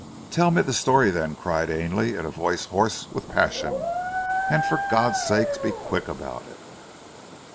"Tell me the story then," cried Ainley in a voice hoarse with passion. "And for God's sake, be quick about it!"